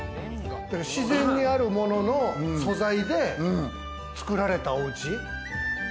自然にあるものの素材で作られたおうち。